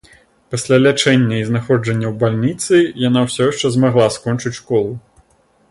Пасля лячэння і знаходжання ў бальніцы яна ўсё яшчэ змагла скончыць школу.